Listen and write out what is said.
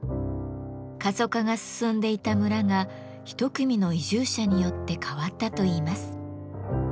過疎化が進んでいた村が一組の移住者によって変わったといいます。